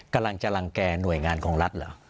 กำลังรังแก่หน่วยงานของรัฐเหรอ